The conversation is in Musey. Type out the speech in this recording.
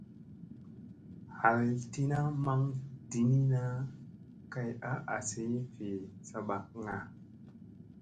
Hal tina maŋ diniina kay a asi fi sabakŋga.